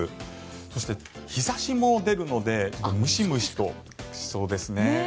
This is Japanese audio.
そして、日差しも出るのでムシムシとしそうですね。